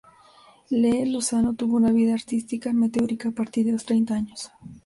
Lee Lozano tuvo una vida artística meteórica, a partir de los treinta años.